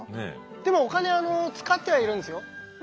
でもお金使ってはいるんですよ。